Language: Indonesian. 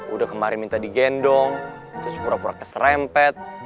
udah kemarin minta digendong terus pura pura keserempet